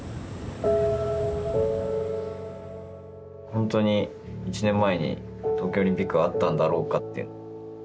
本当に１年前に東京オリンピックがあったんだろうかって。